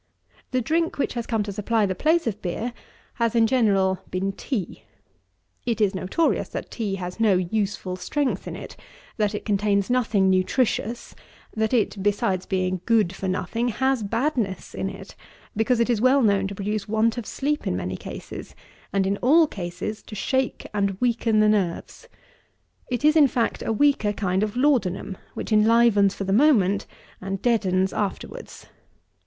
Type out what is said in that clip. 23. The drink which has come to supply the place of beer has, in general, been tea. It is notorious that tea has no useful strength in it; that it contains nothing nutritious; that it, besides being good for nothing, has badness in it, because it is well known to produce want of sleep in many cases, and in all cases, to shake and weaken the nerves. It is, in fact, a weaker kind of laudanum, which enlivens for the moment and deadens afterwards.